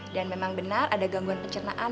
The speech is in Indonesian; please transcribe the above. memang benar ada gangguan pencernaan